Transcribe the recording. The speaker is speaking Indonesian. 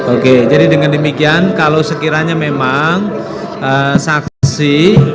oke jadi dengan demikian kalau sekiranya memang saksi